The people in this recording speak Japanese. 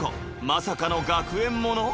まさかの学園もの